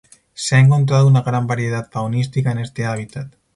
Se ha encontrado una gran variedad faunística en este hábitat.